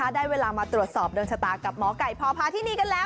ได้เวลามาตรวจสอบดวงชะตากับหมอไก่พอพาที่นี่กันแล้ว